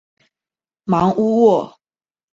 芒乌沃。